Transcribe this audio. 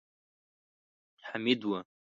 حميد و.